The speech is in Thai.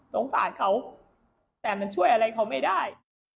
สงสารเขาแต่มันช่วยอะไรเขาไม่ได้